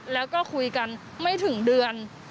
แล้วก็คุยกันไม่ถึงเดือน